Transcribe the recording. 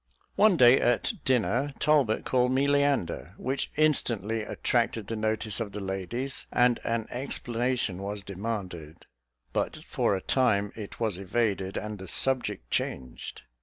One day at dinner Talbot called me "Leander," which instantly attracted the notice of the ladies, and an explanation was demanded; but for a time it was evaded, and the subject changed.